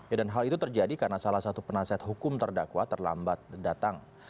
ya dan hal itu terjadi karena salah satu penasehat hukum terdakwa terlambat datang